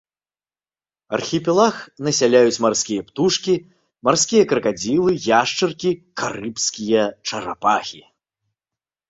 Архіпелаг насяляюць марскія птушкі, марскія кракадзілы, яшчаркі, карыбскія чарапахі.